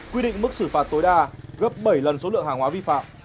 quy định mức xử phạt tối đa gấp bảy lần số lượng hàng hóa vi phạm